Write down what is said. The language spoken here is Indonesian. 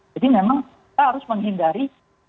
jadi memang kita harus menghindari